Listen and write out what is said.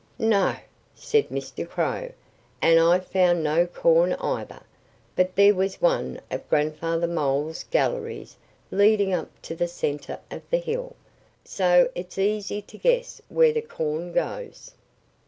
"No!" said Mr. Crow. "And I found no corn, either. But there was one of Grandfather Mole's galleries leading up to the center of the hill. So it's easy to guess where the corn goes."